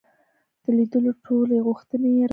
د لیدلو ټولي غوښتني یې رد کړې.